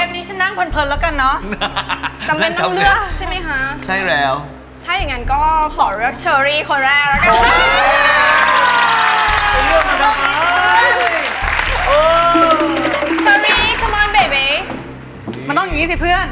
เพื่อนรักเพราะฉันต้องทำอย่างนี้